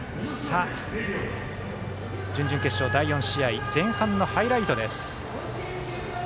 準々決勝第４試合前半のハイライトです。